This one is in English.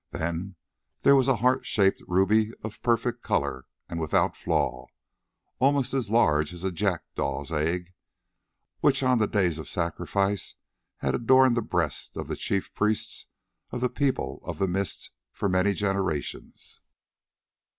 Then there was a heart shaped ruby of perfect colour and without flaw, almost as large as a jackdaw's egg, which on the days of sacrifice had adorned the breasts of the chief priests of the People of the Mist for many generations.